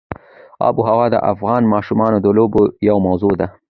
آب وهوا د افغان ماشومانو د لوبو یوه موضوع ده.